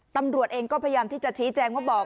ตำรวจเองก็พยายามที่จะชี้แจงว่าบอก